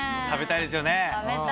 食べたいですよね。